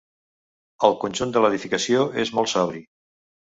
El conjunt de l'edificació és molt sobri.